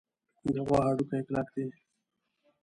د غوا هډوکي کلک دي.